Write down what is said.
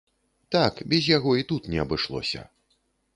Так, без яго і тут не абышлося.